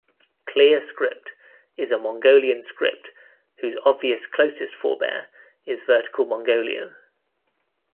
Clear Script is a Mongolian script, whose obvious closest forebear is vertical Mongolian.